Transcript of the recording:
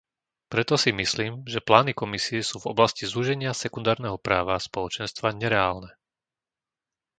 Preto si myslím, že plány Komisie sú v oblasti zúženia sekundárneho práva Spoločenstva nereálne.